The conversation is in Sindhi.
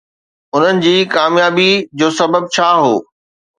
انهن جي ڪاميابي جو سبب ڇا هو؟